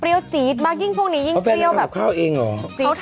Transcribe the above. เปรี้ยวจี๊ดมากก็แป้งได้ทำข้าวเองหรอ